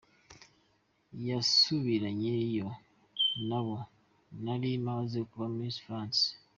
Nasubiranyeyo na bo, nari namaze kuba Miss France.